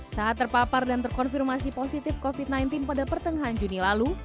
saat terpapar dan terkonfirmasi positif covid sembilan belas pada pertengahan juni lalu